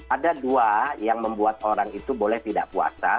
ada dua yang membuat orang itu boleh tidak puasa